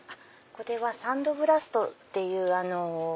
これはサンドブラストっていう。